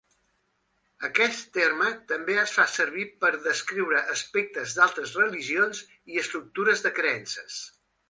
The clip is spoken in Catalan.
Aquest terme també es fa servir per descriure aspectes d'altres religions i estructures de creences.